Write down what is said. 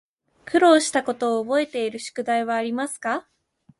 苦労したことを覚えている宿題はありますか